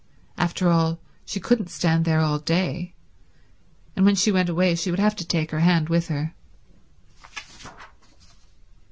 After all, she couldn't stand there all day, and when she went away she would have to take her hand with her.